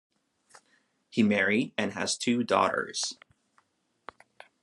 He married and has two daughters.